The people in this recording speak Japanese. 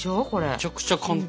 めちゃくちゃ簡単。